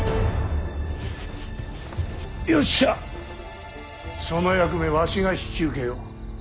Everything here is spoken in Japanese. よっしゃその役目わしが引き受けよう。